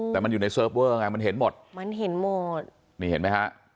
แต่มันอยู่ในเซิร์ฟเวอร์ไงมันเห็นหมดมันเห็นหมดนี่เห็นไหมฮะ